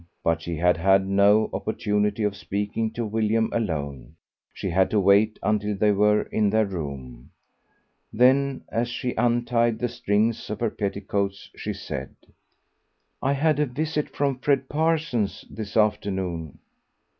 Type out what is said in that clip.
But she had had no opportunity of speaking to William alone, she had to wait until they were in their room. Then, as she untied the strings of her petticoats, she said "I had a visit from Fred Parsons this afternoon."